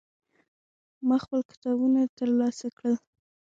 ما خپل کتابونه ترلاسه کړل.